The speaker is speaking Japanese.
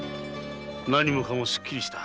何もかもすっきりした。